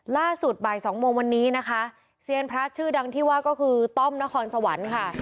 ล่าสุดบ่ายสองโมงวันนี้นะคะเซียนพระชื่อดังที่ว่าก็คือต้อมนครสวรรค์ค่ะ